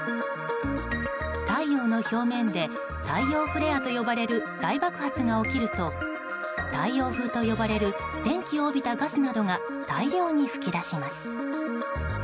太陽の表面で太陽フレアと呼ばれる大爆発が起きると太陽風と呼ばれる電気を帯びたガスなどが大量に噴き出します。